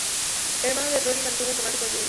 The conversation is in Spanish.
Hermano de Rory, mantuvo un romance con Julia.